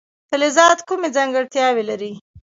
فلزات کومې ځانګړتیاوې لري.